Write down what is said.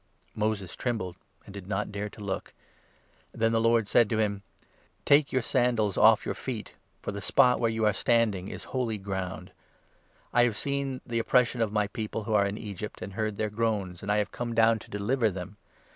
Moses trembled, and did not dare to look. Then 33 the Lord said to him —' Take your sandals off your feet, for the spot where you are standing is holy ground. I have seen the 34 oppression of my people who are in Egypt, and heard their groans, and I have come down to deliver them.